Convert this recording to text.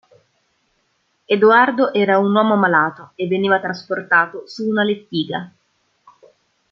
Edoardo era un uomo malato e veniva trasportato su una lettiga.